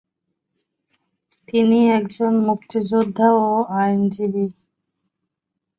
তিনি একজন মুক্তিযোদ্ধা ও আইননজীবী।